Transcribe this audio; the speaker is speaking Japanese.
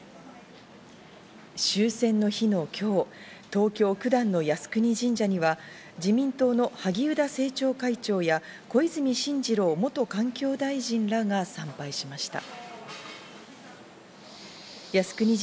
終戦の日の今日、東京・九段の靖国神社には自民党の萩生田政調会長や小泉進次郎元環境大臣らが参拝しました。